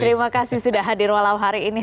terima kasih sudah hadir malam hari ini